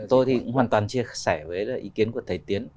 tôi thì cũng hoàn toàn chia sẻ với ý kiến của thầy tiến